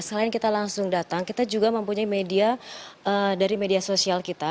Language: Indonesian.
selain kita langsung datang kita juga mempunyai media dari media sosial kita